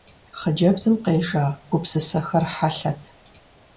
Хъыджэбзым къежа гупсысэхэр хьэлъэт.